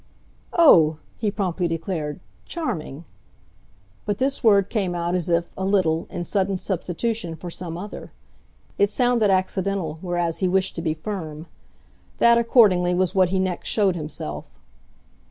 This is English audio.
"Oh," he promptly declared "charming!" But this word came out as if, a little, in sudden substitution for some other. It sounded accidental, whereas he wished to be firm. That accordingly was what he next showed himself.